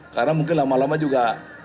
karena mungkin lama lama juga